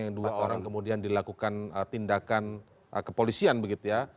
yang dua orang kemudian dilakukan tindakan kepolisian begitu ya